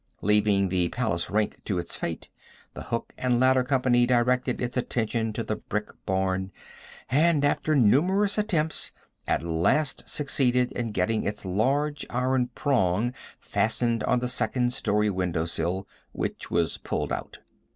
Leaving the Palace rink to its fate, the hook and ladder company directed its attention to the brick barn, and, after numerous attempts, at last succeeded in getting its large iron prong fastened on the second story window sill, which was pulled out.